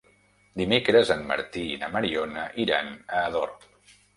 Dimecres en Martí i na Mariona iran a Ador.